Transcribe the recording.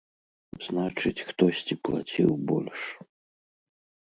Значыць, хтосьці плаціў больш!